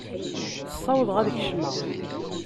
Ssawḍeɣ ad kecmeɣ.